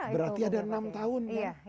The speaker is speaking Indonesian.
berarti ada enam tahun